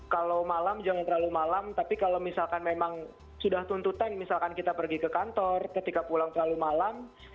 kalau malam jangan terlalu malam tapi kalau misalkan memang sudah tuntutan misalkan kita pergi ke kantor ketika pulang terlalu malam